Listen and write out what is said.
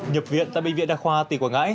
nhập viện tại bệnh viện đa khoa tỉnh quảng ngãi